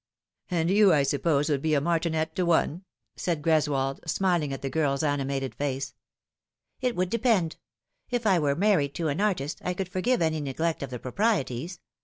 And you, I suppose, would be a martinet to one ?" said Greswold, smiling at the girl's animated face. " It would depend. If I were married to an artist I conld forgive any neglect of the proprieties.